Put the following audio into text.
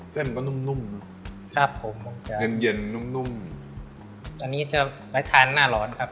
เส้นก็นุ่มนุ่มครับผมมันจะเย็นเย็นนุ่มนุ่มตอนนี้จะไม่ทานหน้าร้อนครับ